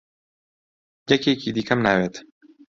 یەکێکی دیکەم ناوێت.